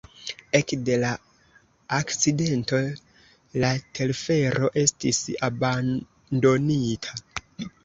Ekde la akcidento la telfero estis abandonita.